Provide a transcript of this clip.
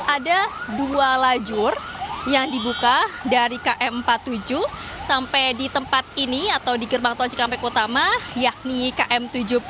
ada dua lajur yang dibuka dari km empat puluh tujuh sampai di tempat ini atau di gerbang tol cikampek utama yakni km tujuh puluh